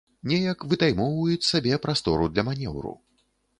Неяк вытаймоўваюць сабе прастору для манеўру.